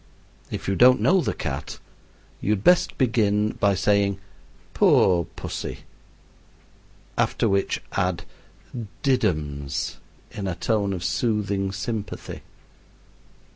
If you don't know the cat, you had best begin by saying, "Poor pussy." After which add "did 'ums" in a tone of soothing sympathy.